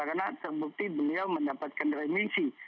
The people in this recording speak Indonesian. karena terbukti beliau mendapatkan remisi